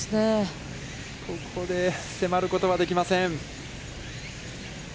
ここで迫ることはできません。